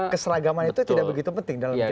keseragaman itu tidak begitu penting dalam jawa barat